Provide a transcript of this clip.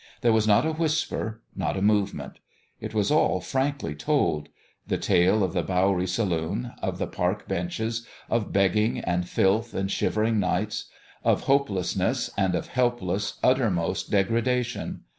There was not a whisper not a movement. It was all frankly told : the tale of the Bowery saloon, of the park benches, of begging and filth and shivering nights, of hopelessness and of helpless, uttermost degradation.